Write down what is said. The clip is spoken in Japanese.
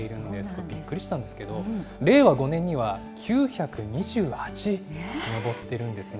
これびっくりしたんですけど、令和５年には９２８に上っているんですね。